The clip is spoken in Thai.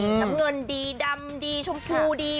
น้ำเงินดีดำดีชมพูดี